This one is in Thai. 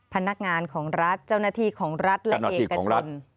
พนักงานของรัฐเจ้าหน้าที่ของรัฐและเอกชน